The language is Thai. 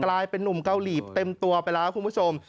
กลายเป็นนุ่มเกาหลีเต็มตัวไปแล้วคุณผู้ชม